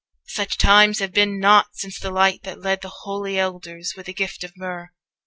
Such times have been not since the light that led The holy Elders with the gift of myrrh.